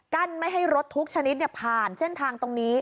ไม่ให้รถทุกชนิดผ่านเส้นทางตรงนี้